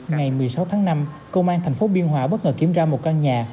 ngày một mươi sáu tháng năm công an thành phố biên hòa bất ngờ kiếm ra một căn nhà